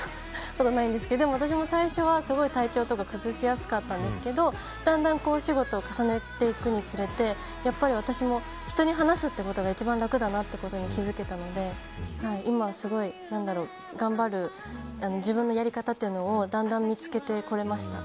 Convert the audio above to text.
私も最初は体調とか崩しやすかったんですけどだんだんお仕事を重ねていくにつれて私も人に話すってことが一番楽だなってことに気づけたので、今はすごい自分のやり方というのをだんだん見つけてこれました。